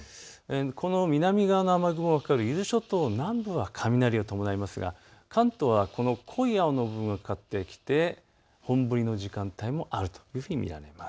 この南側の雨雲がかかる伊豆諸島南部は雷を伴いますが関東は濃い青の部分がかかってきて本降りの時間帯もあるというふうに見られます。